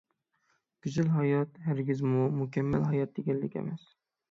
گۈزەل ھايات ھەرگىزمۇ مۇكەممەل ھايات دېگەنلىك ئەمەس.